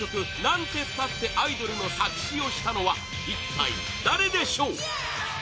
「なんてったってアイドル」の作詞をしたのは一体誰でしょう？